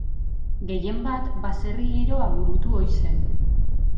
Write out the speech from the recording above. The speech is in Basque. Gehienbat baserri giroa burutu ohi zen.